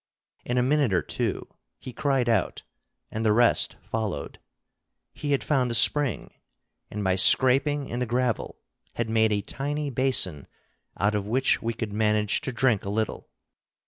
In a minute or two he cried out, and the rest followed; he had found a spring, and by scraping in the gravel had made a tiny basin out of which we could manage to drink a little.